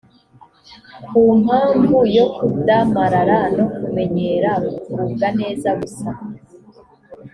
ku mpamvu yo kudamarara no kumenyera kugubwa neza gusa,